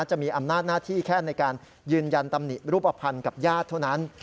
จะมีอำนาจหน้าที่แค่ในการยืนยันตำหนิรูปภัณฑ์กับญาติเท่านั้น